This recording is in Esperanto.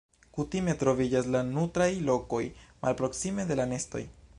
Kutime troviĝas la nutraj lokoj malproksime de la nestoj.